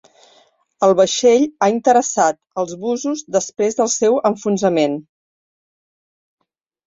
El vaixell ha interessat als bussos després del seu enfonsament.